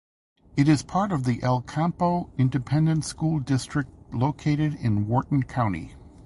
It is part of the El Campo Independent School District located in Wharton County.